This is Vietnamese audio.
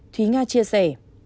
thúy nga chia sẻ